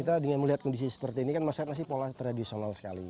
kita dengan melihat kondisi seperti ini kan masyarakat masih pola tradisional sekali